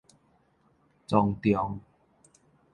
莊重